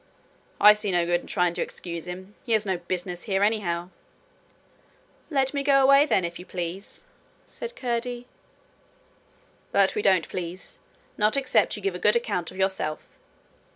'I see no good in trying to excuse him. He has no business here, anyhow.' 'Let me go away, then, if you please,' said Curdie. 'But we don't please not except you give a good account of yourself.'